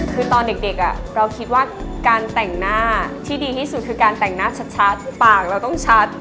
คือตอนเด็กเราคิดว่าการแต่งหน้าที่ดีที่สุดคือการแต่งหน้าชัดปากเราต้องชัด